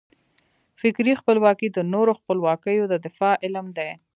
فکري خپلواکي د نورو خپلواکیو د دفاع علم دی.